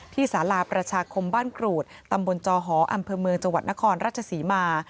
สาราประชาคมบ้านกรูดตำบลจอหออำเภอเมืองจังหวัดนครราชศรีมา